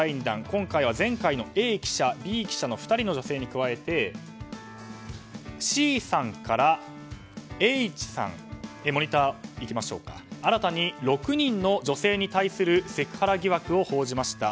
今回は前回のＡ記者、Ｂ記者の２人の女性に加えてＣさんからＨさんという新たに６人の女性に対するセクハラ疑惑を報じました。